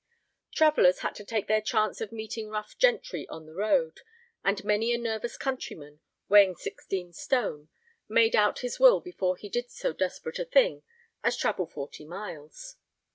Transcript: Travellers had to take their chance of meeting rough gentry on the road, and many a nervous countryman, weighing sixteen stone, made out his will before he did so desperate a thing as travel forty miles.